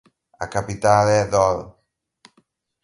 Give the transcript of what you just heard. A capital é Dol.